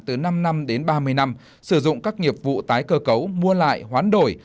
từ năm năm đến ba mươi năm sử dụng các nghiệp vụ tái cơ cấu mua lại hoán đổi